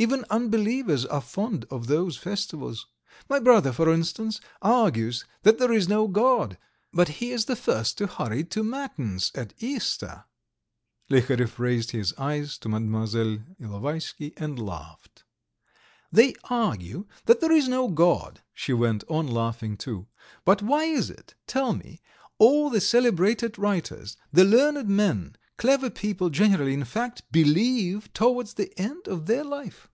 Even unbelievers are fond of those festivals. My brother, for instance, argues that there is no God, but he is the first to hurry to Matins at Easter." Liharev raised his eyes to Mlle. Ilovaisky and laughed. "They argue that there is no God," she went on, laughing too, "but why is it, tell me, all the celebrated writers, the learned men, clever people generally, in fact, believe towards the end of their life?"